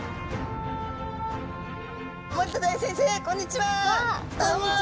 こんにちは！